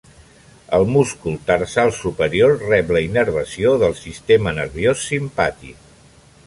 El múscul tarsal superior rep la innervació del sistema nerviós simpàtic.